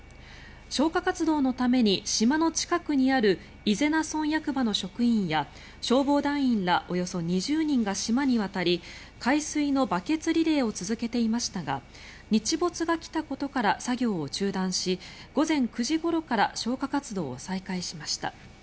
消火活動のために島の近くにある伊是名村役場の職員や消防団員らおよそ２０人が島に渡り海水のバケツリレーを続けていましたが日没が来たことから作業を中断し午前９時ごろから消火活動を再開しました。